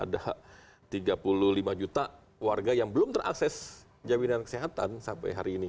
ada tiga puluh lima juta warga yang belum terakses jaminan kesehatan sampai hari ini